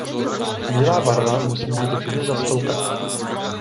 Bílá barva musí být vždy zastoupena.